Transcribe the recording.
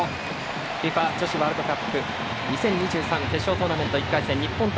ＦＩＦＡ女子ワールドカップ２０２３決勝トーナメント１回戦日本対